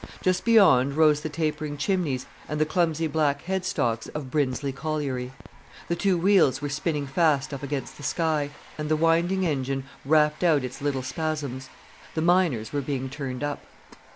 Just beyond rose the tapering chimneys and the clumsy black headstocks of Brinsley Colliery. The two wheels were spinning fast up against the sky, and the winding engine rapped out its little spasms. The miners were being turned up.